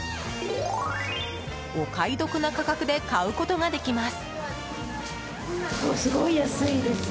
お買い得な価格で買うことができます。